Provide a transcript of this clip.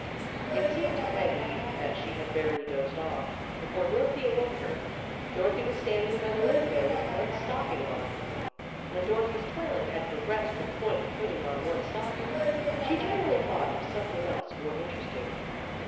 It seemed to Peggy that she had barely dozed off, before Dorothy awoke her. Dorothy was standing by the window with one stocking on. When Dorothy's toilet had progressed to the point of putting on one stocking, she generally thought of something else more interesting.